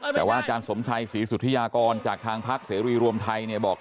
แต่ว่าอาจารย์สมชัยศรีสุธิยากรจากทางพักเสรีรวมไทยเนี่ยบอก